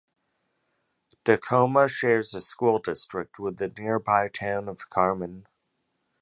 Dacoma shares a school district with the nearby town of Carmen.